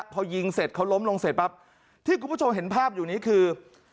พอยิงเสร็จเขาล้มลงเสร็จปั๊บที่คุณผู้ชมเห็นภาพอยู่นี้คือ